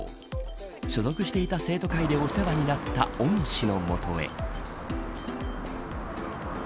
所属していた生徒会でお世話になった恩師の元へ。